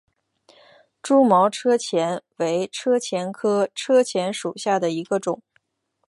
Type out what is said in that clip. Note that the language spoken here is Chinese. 蛛毛车前为车前科车前属下的一个种。